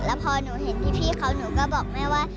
แล้วพอหนูเห็นพี่เขาหนูก็บอกแม่ว่า